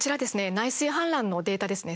内水氾濫のデータですね